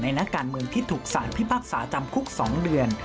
นักการเมืองที่ถูกสารพิพากษาจำคุก๒เดือน